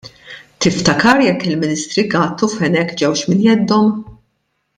Tiftakar jekk il-Ministri Gatt u Fenech ġewx minn jeddhom?